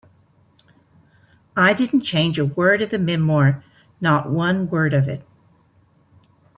I didn't change a word of the memoir, not one word of it.